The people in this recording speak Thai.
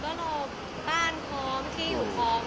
บาทนี่ก็รอบ้านพร้อมที่อยู่พร้อม